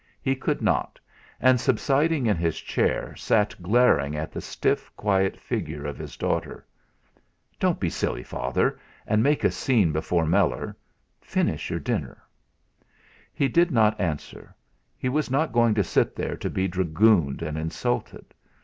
He could not and subsiding in his chair sat glaring at the stiff, quiet figure of his daughter. "Don't be silly, Father, and make a scene before Meller. Finish your dinner." He did not answer. He was not going to sit there to be dragooned and insulted!